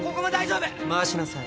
回しなさい。